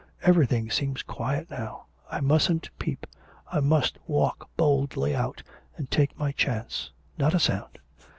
Everything seems quiet now. I mustn't peep; I must walk boldly out, and take my chance. Not a sound.'